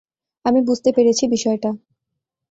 আমি বুঝতে পেরেছি বিষয়টা।